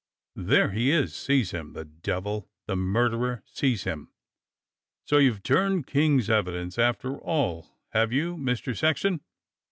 "There he is! Seize him! The devil! The mur derer ! Seize him !'' "So you've turned King's evidence after all, have you. Mister Sexton?